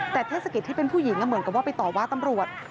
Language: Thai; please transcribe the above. แต่เทศกิจที่เป็นผู้หญิงเหมือนกับว่าไปต่อว่าตำรวจ